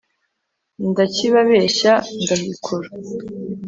Ndakibabeshya ndahikura.